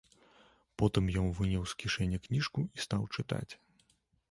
Потым ён выняў з кішэні кніжку і стаў чытаць.